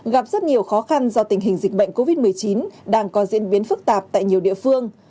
gặp rất nhiều khó khăn do tình hình dịch bệnh covid một mươi chín đang có diễn biến phức tạp tại nhiều địa phương